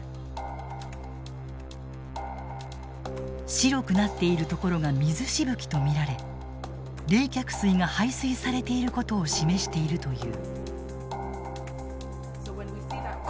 白くなっているところが水しぶきと見られ冷却水が排水されていることを示しているという。